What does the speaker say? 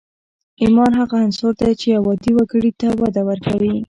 ايمان هغه عنصر دی چې يو عادي وګړي ته وده ورکوي.